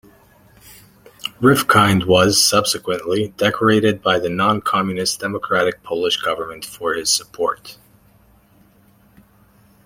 Rifkind was, subsequently, decorated by the non-communist democratic Polish Government for his support.